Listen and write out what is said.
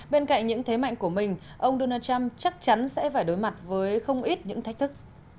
bên cạnh những thế mạnh của mình ông donald trump chắc chắn sẽ phải đối mặt với không ít những thách thức